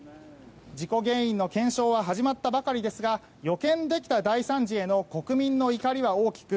事故原因の検証は始まったばかりですが予見できた大惨事への国民の怒りは大きく